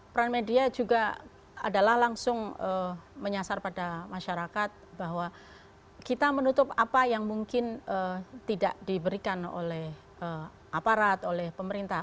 peran media juga adalah langsung menyasar pada masyarakat bahwa kita menutup apa yang mungkin tidak diberikan oleh aparat oleh pemerintah